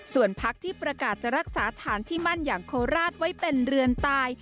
ส่วนพักที่ประกาศจะรักษาฐานที่มั่นอย่างโคราชไว้เป็นเรือนตาย